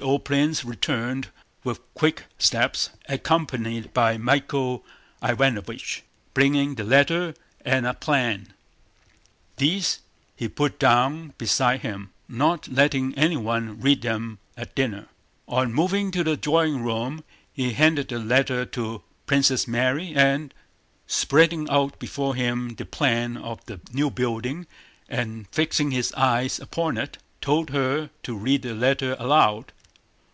The old prince returned with quick steps, accompanied by Michael Ivánovich, bringing the letter and a plan. These he put down beside him—not letting anyone read them at dinner. On moving to the drawing room he handed the letter to Princess Mary and, spreading out before him the plan of the new building and fixing his eyes upon it, told her to read the letter aloud.